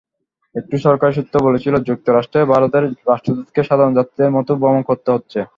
একটি সরকারি সূত্র বলেছিল, যুক্তরাষ্ট্রে ভারতের রাষ্ট্রদূতকে সাধারণ যাত্রীদের মতো ভ্রমণ করতে হচ্ছে।